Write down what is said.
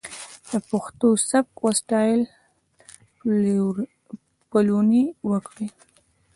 د پښتو سبک و سټايل پليوني وکړي.